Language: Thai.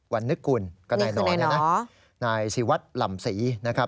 วันนึกกุลก็นายนอนเนี่ยนะนายศิวัตรหล่ำศรีนะครับ